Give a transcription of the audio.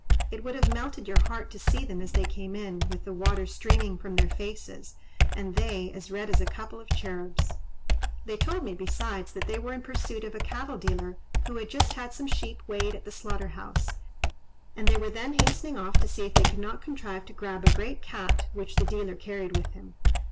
It would have melted your heart to see them as they came in, with the water streaming from their faces, and they as red as a couple of cherubs. They told me, besides, that they were in pursuit of a cattle dealer, who had just had some sheep weighed at the slaughter house, and they were then hastening off to see if they could not contrive to grab a great cat which the dealer carried with him.